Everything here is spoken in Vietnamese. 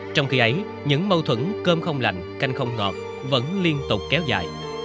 trong khi ấy những mâu thuẫn cơm không lành canh không ngọt vẫn liên tục kéo dài